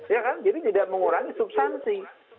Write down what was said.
ya kan jadi tidak mengurangi substansi